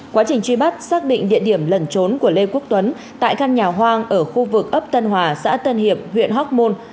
quá trình truy bắt xác định địa điểm lẩn trốn của lê quốc tuấn tại căn nhà hoang ở khu vực ấp tân hòa xã tân hiệp huyện hóc môn